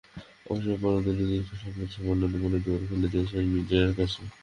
অবসরের পরদিনই দীর্ঘ সংবাদ সম্মেলনে মনের দুয়ার খুলে দিয়েছিলেন মিডিয়ার কাছে।